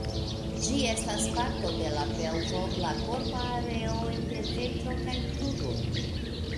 Ĝi estas parto de la pelvo, la korpa areo inter ventro kaj kruroj.